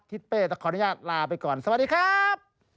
เป้จะขออนุญาตลาไปก่อนสวัสดีครับ